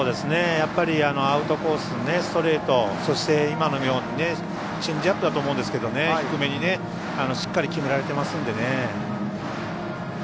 やっぱりアウトコースにストレートそして、今のようにチェンジアップだと思うんですが低めにしっかり決められてますのでね。